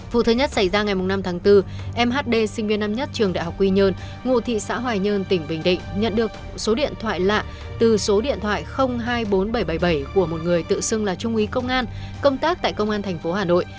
vụ thứ nhất xảy ra ngày năm tháng bốn em hd sinh viên năm nhất trường đại học quy nhơn ngụ thị xã hoài nhơn tỉnh bình định nhận được số điện thoại lạ từ số điện thoại hai mươi bốn nghìn bảy trăm bảy mươi bảy của một người tự xưng là trung úy công an công tác tại công an tp hà nội